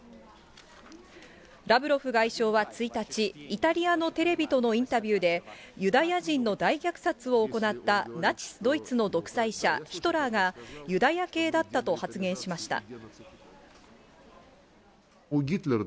ラブロフ外相は１日、イタリアのテレビとのインタビューで、ユダヤ人の大虐殺を行ったナチス・ドイツの独裁者、ヒトラーがユダヤ系だったと発言しました。